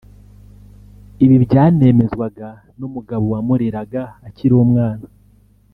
Ibi byanemezwaga n’umugabo wamureraga akiri umwana